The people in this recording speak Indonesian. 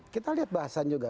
kita lihat bahasanya juga